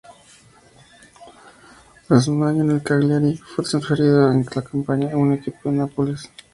Tras un año en el Cagliari, fue transferido al Campania, un equipo de Nápoles.